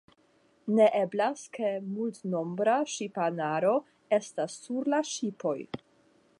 Ne eblas ke multnombra ŝipanaro estas sur la ŝipoj.